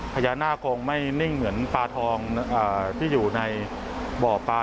พญานาคงไม่นิ่งเหมือนปลาทองที่อยู่ในบ่อปลา